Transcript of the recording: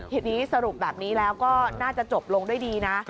ทีนี้สรุปแบบนี้แล้วก็น่าจะจบลงด้วยดีนะ